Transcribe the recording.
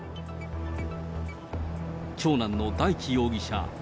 長男の大祈容疑者